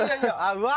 うわ。